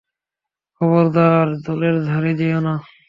খবরদার, জলের ধারে যেয়ো না।